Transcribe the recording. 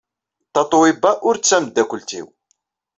Tatoeba ur d tameddakelt-inu.